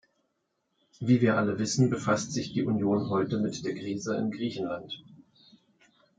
Wie wir alle wissen, befasst sich die Union heute mit der Krise in Griechenland.